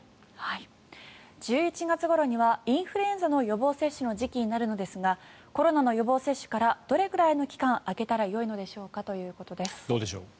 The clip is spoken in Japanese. １１月ごろにはインフルエンザの予防接種の時期になるのですがコロナの予防接種からどれぐらいの期間空けたらよいのでしょうかということです。